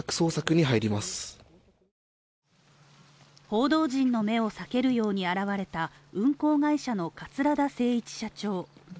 報道陣の目を避けるように現れた運航会社の桂田精一社長。